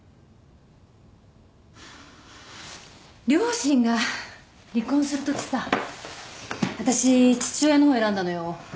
両親が離婚するときさ私父親の方選んだのよ。